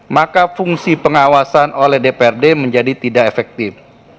maka fungsi pengawasan oleh dprd menjadi tidak efektif